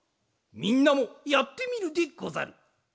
みんなもやってみるでござる。